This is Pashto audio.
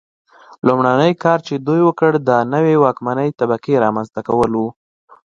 لومړنی کار چې دوی وکړ د نوې واکمنې طبقې رامنځته کول و.